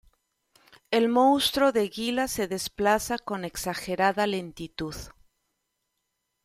El monstruo de Gila se desplaza con exagerada lentitud.